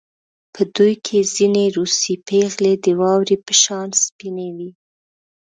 په دوی کې ځینې روسۍ پېغلې د واورې په شان سپینې وې